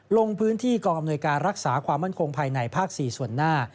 ลงพื้นที่กองอำนวยการรักษาความมั่นคงภายในภาค๔ส่วนหน้า